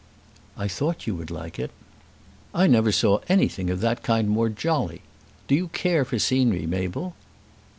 "I thought you would like it." "I never saw anything of that kind more jolly. Do you care for scenery, Mabel?"